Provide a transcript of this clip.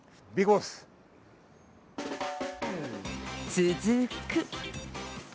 続く。